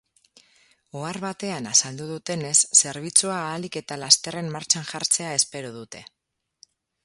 Ohar batean azaldu dutenez, zerbitzua ahalik eta lasterren martxan jartzea espero dute.